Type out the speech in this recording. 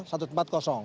satu tempat kosong